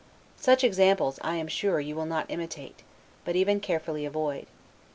Such examples, I am sure, you will not imitate, but even carefully avoid.